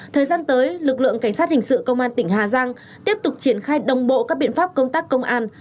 thời gian tới lực lượng cảnh sát hình sự công an tỉnh hà giang tiếp tục triển khai đồng bộ các biện pháp công tác công an